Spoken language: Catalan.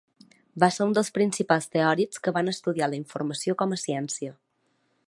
Va ser un dels principals teòrics que van estudiar la informació com a ciència.